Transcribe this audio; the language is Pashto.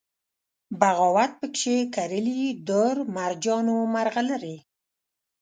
بغاوت پکښې کرلي دُر، مرجان و مرغلرې